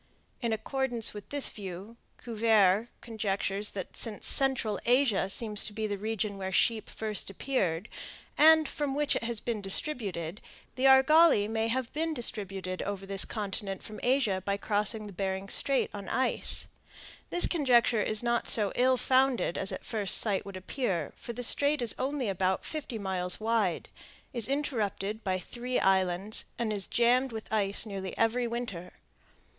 In accordance with this view, Cuvier conjectures that since central Asia seems to be the region where the sheep first appeared, and from which it has been distributed, the argali may have been distributed over this continent from Asia by crossing Bering Strait on ice. This conjecture is not so ill founded as at first sight would appear; for the Strait is only about fifty miles wide, is interrupted by three islands, and is jammed with ice nearly every winter.